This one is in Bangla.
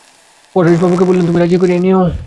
পরেশবাবুকে বলে তুমি রাজি করিয়ে নিয়ো।